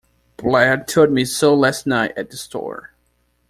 Blair told me so last night at the store.